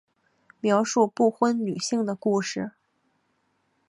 描述不婚女性的故事。